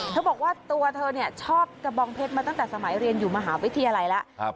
บอกว่าตัวเธอชอบกระบองเพชรมาตั้งแต่สมัยเรียนอยู่มหาวิทยาลัยแล้ว